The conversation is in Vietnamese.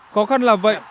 khó khăn là vậy